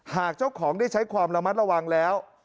หากเจ้าของได้ใช้ความระมัดระวังแล้ว